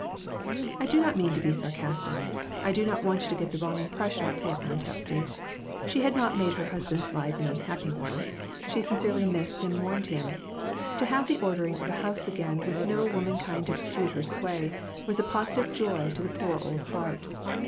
I do not mean to be sarcastic ; I do not want you to get a wrong impression of poor Aunt Hepsy. She had not made her husband's life an unhappy one. She sincerely missed and mourned him. To have the ordering of a house again with no womankind to dispute her sway, was a positive joy to her poor old heart.